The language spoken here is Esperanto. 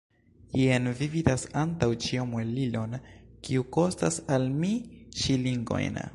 Jen vi vidas antaŭ ĉio muelilon, kiu kostas al mi ŝilingojn.